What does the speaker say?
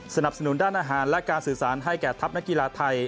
สนับสนุนด้านอาหารและการสื่อสารให้แก่ทัพนักกีฬาไทย